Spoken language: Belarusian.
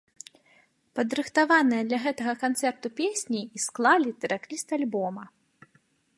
Падрыхтаваныя для гэтага канцэрту песні і склалі трэк-ліст альбома.